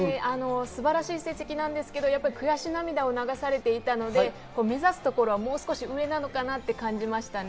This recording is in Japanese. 素晴らしい成績なんですけど、悔し涙を流されていたので、目指すところはもう少し上なのかなって感じましたね。